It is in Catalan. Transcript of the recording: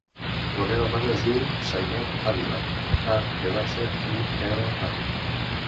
La meva mare es diu Zainab Avila: a, ve baixa, i, ela, a.